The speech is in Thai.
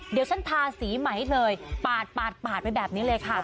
เดี๋ยวฉันทาสีไหมเลยปาดไปแบบนี้เลยค่ะ